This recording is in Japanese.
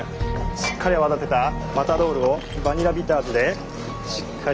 しっかり泡立てたマタドールをバニラビターズでしっかり。